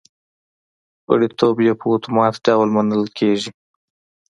غړیتوب یې په اتومات ډول منل کېږي